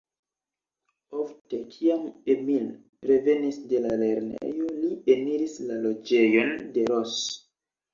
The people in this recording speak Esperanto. Ofte, kiam Emil revenis de la lernejo, li eniris la loĝejon de Ros.